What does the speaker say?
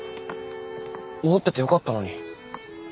戻っててよかったのに。